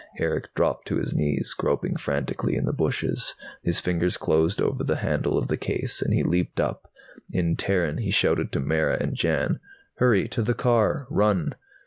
Erick dropped to his knees, groping frantically in the bushes. His fingers closed over the handle of the case and he leaped up. In Terran he shouted to Mara and Jan. "Hurry! To the car! Run!"